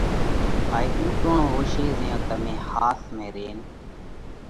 هائي اُو ٽوڻو هوشي زئيون تمي ۿاس ۾ رينَ